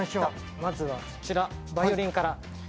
まずはバイオリンから。